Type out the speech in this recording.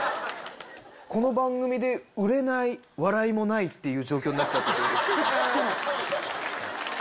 この番組で売れない、笑いもないっていう状況になっちゃった。